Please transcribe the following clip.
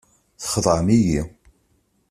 Txedɛem-iyi.